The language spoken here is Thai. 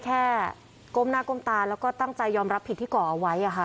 ก้มหน้าก้มตาแล้วก็ตั้งใจยอมรับผิดที่ก่อเอาไว้